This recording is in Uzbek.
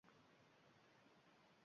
Ko‘zini negadir yana ocholmadi.